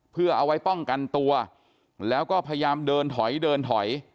เพื่อเอาไว้ป้องกันตัวแล้วก็พยายามเดินถอยเดินถอย